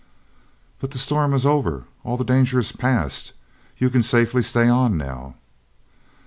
"But the storm is over. All the danger is past. You can safely stay on now."